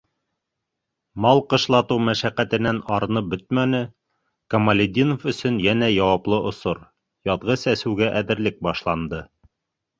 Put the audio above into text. Мал ҡышлатыу мәшәҡәтенән арынып бөтмәне, Камалетдинов өсөн йәнә яуаплы осор - яҙғы сәсеүгә әҙерлек башланды.